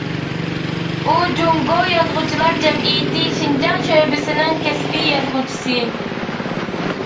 ئۇ جۇڭگو يازغۇچىلار جەمئىيىتى شىنجاڭ شۆبىسىنىڭ كەسپىي يازغۇچىسى.